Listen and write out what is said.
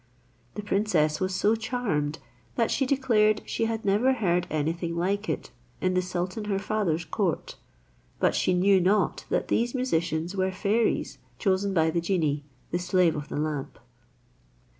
The princess was so charmed, that she declared she had never heard anything like it in the sultan her father's court; but she knew not that these musicians were fairies chosen by the genie, the slave of the lamp.